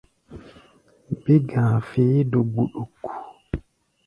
Bé-ga̧a̧ feé do gbuɗuk.